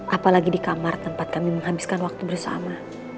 apalagi di kamar tempat kami menghabiskan waktu bersama